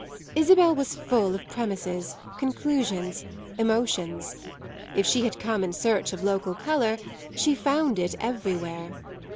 Isabel was full of premises, conclusions, emotions; if she had come in search of local colour she found it everywhere.